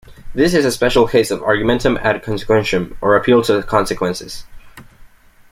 This is a special case of "argumentum ad consequentiam", or "appeal to consequences".